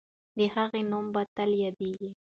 د هغې نوم به تل یادېږي.